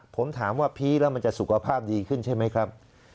ผมถามว่าพีชแล้วมันจะสุขภาพดีขึ้นใช่ไหมครับ